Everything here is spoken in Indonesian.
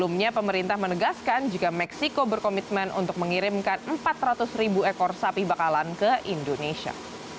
pemerintah menegaskan jika meksiko berkomitmen untuk mengirimkan empat ratus ribu ekor sapi bakalan ke indonesia